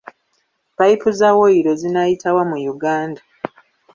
Payipu za woyilo zinaayitawa mu Uganda.